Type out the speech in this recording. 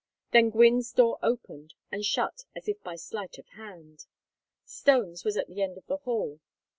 Then Gwynne's door opened and shut as if by sleight of hand. Stone's was at the end of the hall.